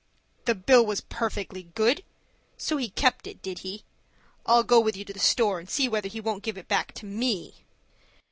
"The bill was perfectly good. So he kept it, did he? I'll go with you to the store, and see whether he won't give it back to me."